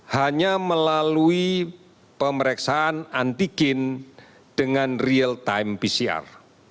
hanya melalui pemeriksaan antigen dengan real time pcr